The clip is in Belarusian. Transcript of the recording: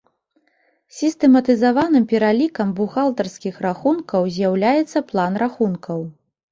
Сістэматызаваным пералікам бухгалтарскіх рахункаў з'яўляецца план рахункаў.